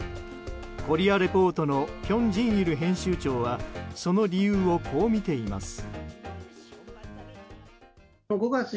「コリア・レポート」の辺真一編集長はその理由を、こう見ています。